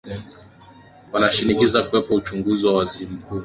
wanashinikiza kuwepo uchaguzi wa waziri mkuu